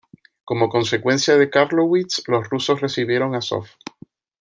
Como consecuencia de Karlowitz los rusos recibieron Azov.